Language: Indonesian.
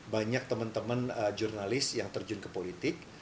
banyak teman teman jurnalis yang terjun ke politik